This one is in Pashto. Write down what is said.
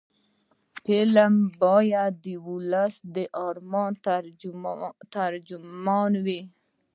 فلم باید د ولس د ارمانونو ترجمان وي